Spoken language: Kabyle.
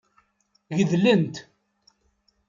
Gedlen-t.